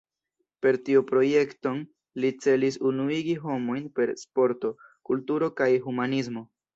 Per tiu projekton, li celis “Unuigi homojn per Sporto, Kulturo kaj Humanismo“.